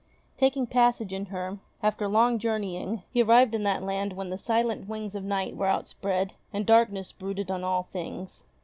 Taking passage in her, after long journeying he arrived in that land when the silent wings of night were outspread, and darkness brooded on all things.